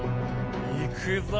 いくぞ！